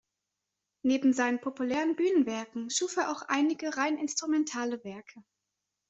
Neben seinen populären Bühnenwerken schuf er auch einige rein instrumentale Werke.